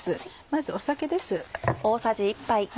まず酒です。